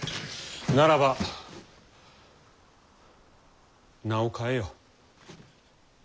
ならば名を変えよ。